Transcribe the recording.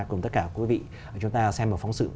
cùng tất cả quý vị chúng ta xem một phóng sự